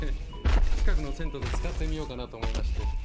近くの銭湯で使ってみようかなと思いまして。